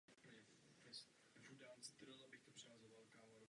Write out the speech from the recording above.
Na soustředění zpíval písničku "Your Song" od Eltona Johna.